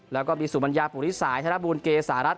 แล้วก็มีศุมัญญาภูริษายธนบุญเกสารัฐ